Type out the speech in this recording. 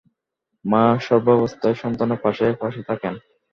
মা সর্বাবস্থায় সন্তানের পাশে পাশে থাকেন।